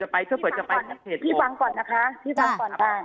พี่ฟังก่อนพี่ฟังก่อนนะคะ